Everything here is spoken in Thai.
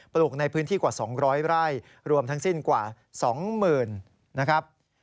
ลูกในพื้นที่กว่า๒๐๐ไร่รวมทั้งสิ้นกว่า๒๐๐๐นะครับ